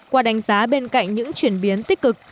qua đánh giá bên cạnh những chuyển biến tích cực